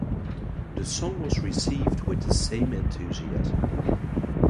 The song was received with the same enthusiasm.